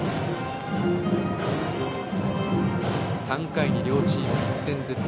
３回に両チーム１点ずつ。